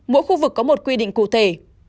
mỗi khu vực có một quy định cụ thể